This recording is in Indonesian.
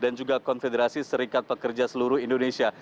dan juga konfederasi serikat pekerja seluruh indonesia